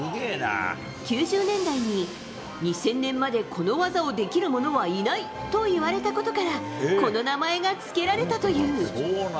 ９０年代に、２０００年までこの技をできる者はいないといわれたことからこの名前がつけられた。